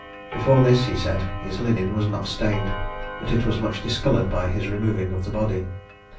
Before this, he said, his linen was not stained; but it was much discoloured by his removing the body.